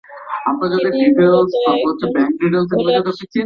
তিনি মুলত একজন বোলার হিসেবে পরিচিত।